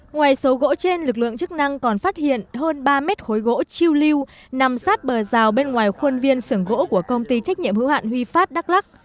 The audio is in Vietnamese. ngoài số gỗ trên lực lượng chức năng còn phát hiện hơn ba mét khối gỗ chiêu lưu nằm sát bờ rào bên ngoài khuôn viên xưởng gỗ của công ty trách nhiệm hữu hạn huy phát đắk lắc